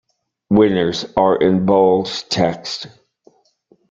Winners are in bold text.